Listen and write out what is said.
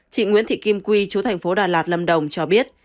chị nguyễn thị kim quy chú thành phố đà lạt lâm đồng cho biết